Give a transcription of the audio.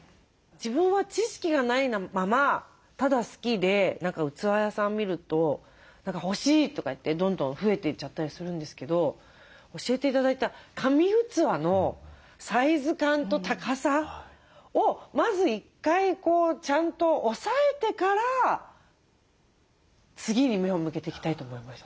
自分は知識がないままただ好きで器屋さん見ると欲しいとかいってどんどん増えていっちゃったりするんですけど教えて頂いた神器のサイズ感と高さをまず１回こうちゃんと押さえてから次に目を向けていきたいと思いました。